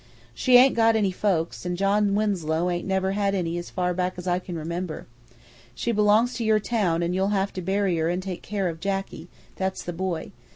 "She ain't got any folks, an' John Winslow ain't never had any as far back as I can remember. She belongs to your town and you'll have to bury her and take care of Jacky that's the boy.